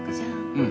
うん。